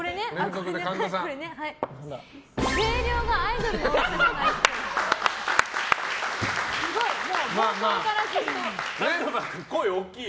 声量がアイドルの大きさじゃないっぽい。